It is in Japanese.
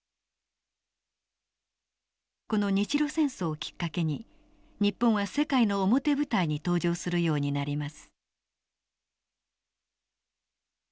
この日露戦争をきっかけに日本は世界の表舞台に登場するようになります。